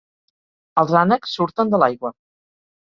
Els ànecs surten de l'aigua.